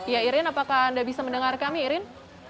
ya irin apakah anda bisa mendengar kami irin